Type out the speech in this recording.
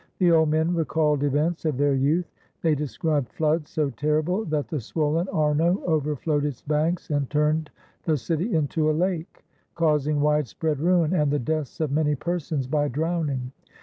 The old men recalled events of their youth ; they described floods so terrible that the swollen Arno overflowed its banks and turned the city into a lake, causing widespread ruin and the deaths of many persons by drowning.